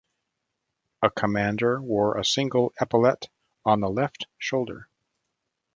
A commander wore a single epaulette on the left shoulder.